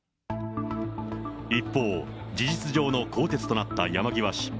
一方、事実上の更迭となった山際氏。